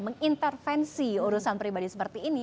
mengintervensi urusan pribadi seperti ini